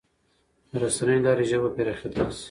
د رسنیو له لارې ژبه پراخېدای سي.